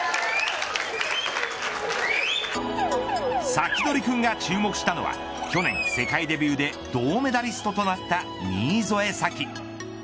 サキドリくんが注目したのは去年世界デビューで銅メダリストとなった新添左季。